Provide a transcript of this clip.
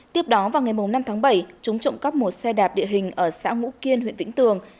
tiếp đó vào ngày năm tháng bảy chúng trộm cắp một xe đạp địa hình ở xã ngũ kiên huyện vĩnh tường